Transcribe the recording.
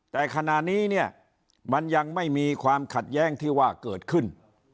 แต่ขณะนี้เนี่ยมันยังไม่มีความขัดแย้งที่ว่าเกิดขึ้น